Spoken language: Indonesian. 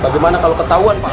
bagaimana kalo ketahuan pak